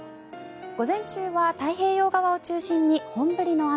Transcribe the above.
午前中は太平洋側を中心に本降りの雨。